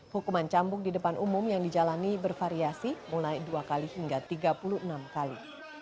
hukuman cambuk di depan umum yang dijalani bervariasi mulai dua kali hingga tiga puluh enam kali